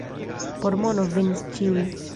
Por mono venis ĉiuj.